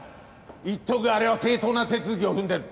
言っとくがあれは正当な手続きを踏んでる。